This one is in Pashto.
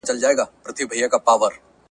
موږ به په ګډه یو قوي ټیم جوړ کړو.